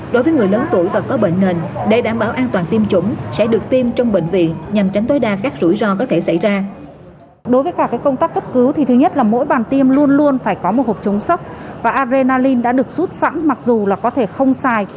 đối với người lớn tuổi và có bệnh nền đây đảm bảo an toàn tiêm chủng sẽ được tiêm trong bệnh viện